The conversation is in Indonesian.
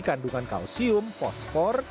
kandungan kalsium fosfor